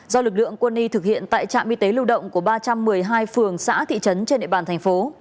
do lực lượng quân y thực hiện tại trạm y tế lưu động của ba trăm một mươi hai phường xã thị trấn trên địa bàn thành phố